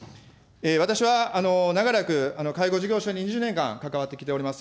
私は長らく介護事業所に２０年間、関わってきております。